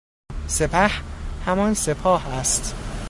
سپه، همان سپاه است